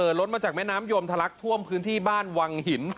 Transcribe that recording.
ล้นมาจากแม่น้ำยมทะลักท่วมพื้นที่บ้านวังหิน